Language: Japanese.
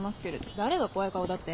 誰が怖い顔だって？